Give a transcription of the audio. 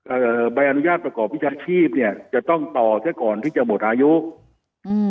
เอ่อใบอนุญาตประกอบวิชาชีพเนี้ยจะต้องต่อซะก่อนที่จะหมดอายุอืม